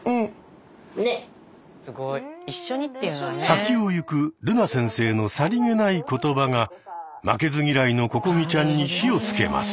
先を行くるな先生のさりげない言葉が負けず嫌いのここみちゃんに火をつけます。